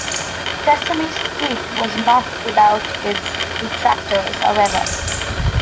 "Sesame Street" was not without its detractors, however.